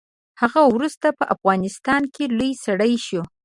هغه وروسته په افغانستان کې لوی سړی شو.